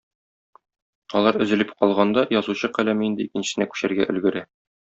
Алар өзелеп калганда, язучы каләме инде икенчесенә күчәргә өлгерә.